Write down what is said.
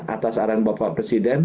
atas arahan bapak presiden